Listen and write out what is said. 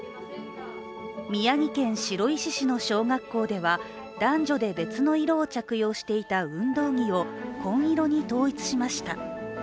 宮城県白石市の小学校では男女で別の色を着用していた運動着を紺色に統一しました。